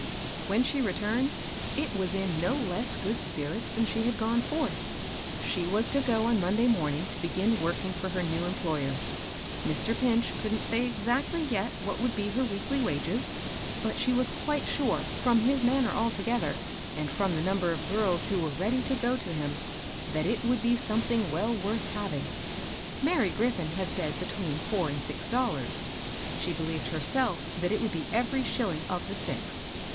When she returned, it was in no less good spirits than she had gone forth. She was to go on Monday morning to begin working for her new employer. Mr. Pinch couldn't say exactly yet what would be her weekly wages, but she was quite sure, from his manner altogether, and from the numbers of givU n^\vo N^<ix^ x^^A^ to ^o to WILL YOU WALK INTO MY PARLOR ? 823 him, that it would be something well worth hav ing. Mary GriflBn had said between four and six dollars ; she believed herself that it would be every shilling of the six.